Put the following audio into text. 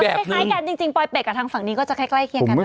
คล้ายกันจริงปลอยเป็ดกับทางฝั่งนี้ก็จะใกล้เคียงกันนะ